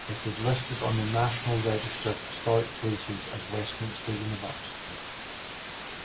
It is listed on the National Register of Historic Places as Westminster University.